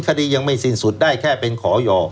คดียังไม่สิ้นสุดได้แค่เป็นขอย่อ